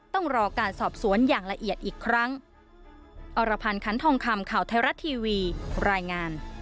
ต้องรอการสอบสวนอย่างละเอียดอีกครั้ง